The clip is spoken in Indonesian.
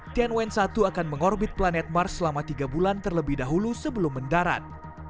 tianwen satu akan mengorbit planet mars selama tiga bulan terlebih dahulu sebelum mendarat